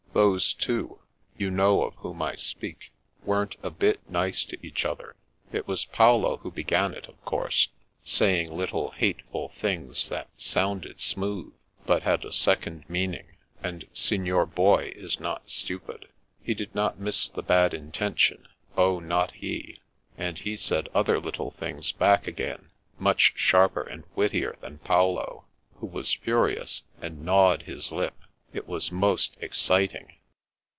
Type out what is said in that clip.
" Those two— you know of whom I speak — ^weren't a bit nice to each other. It was Paolo who began it, of course, sa)ring little, hateful things that sounded smooth, but had a second mean ing; and Signor Boy is not stupid. He did not miss the bad intention, oh, not he, and he said other little things back again, much sharper and wittier than Paolo, who was furious, and gnawed his lip. It was most exciting."